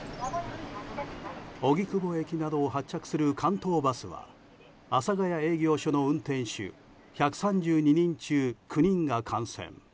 荻窪駅などを発着する関東バスは阿佐ヶ谷営業所の運転手１３２人中９人が感染。